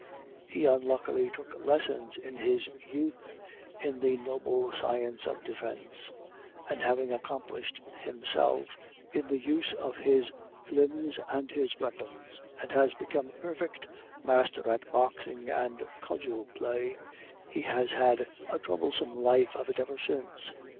He unluckily took lessons in his youth in the noble science of defense, and having accomplished himself in the use of his limbs and his weapons, and become a perfect master at boxing and cudgel play, he has had a troublesome life of it ever since.